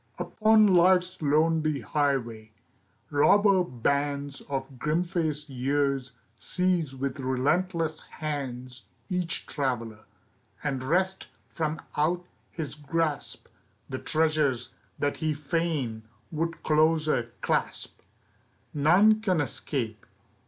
UPON Life's lonely highway, robber bands Of grim faced years seize with relentless hands Each traveler, and wrest from out his grasp The treasures that he fain would closer clasp. None can escape.